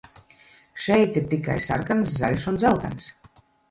Šeit ir tikai sarkans, zaļš un dzeltens.